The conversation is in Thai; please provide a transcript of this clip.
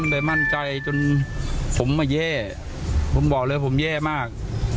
ไม่มั่นใจจนผมมาเย้ผมบอกเลยผมเย้มาก